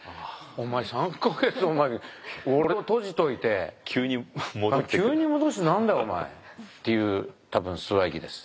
「お前３か月俺を閉じといて急に戻して何だよお前」っていう多分ストライキです。